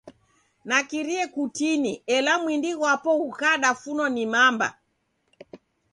Nakirie kutini ela mwindi ghwapo ghukadafunwa ni mamba.